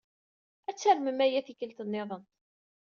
Ad tarmem aya tikkelt niḍen.